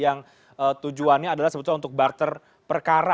yang tujuannya adalah sebetulnya untuk barter perkara